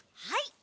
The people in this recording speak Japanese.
はい。